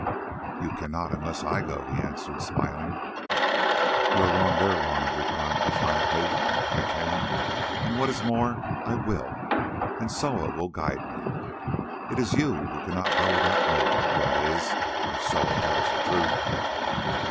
"You cannot unless I go too," he answered smiling. "You are wrong there," Juanna replied defiantly. "I can, and what is more, I will, and Soa shall guide me. It is you who cannot go without me—that is, if Soa tells the truth.